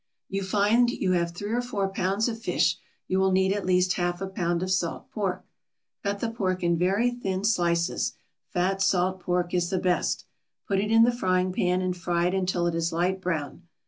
You find you have three or four pounds of fish; you will need at least half a pound of salt pork. Cut the pork in very thin slices; fat salt pork is the best. Put it in the frying pan and fry it until it is light brown.